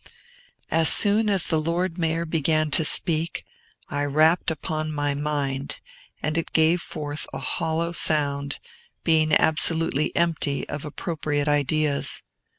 As soon as the Lord Mayor began to speak, I rapped upon my mind, and it gave forth a hollow sound, being absolutely empty of appropriate ideas.